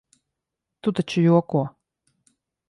Tu taču joko?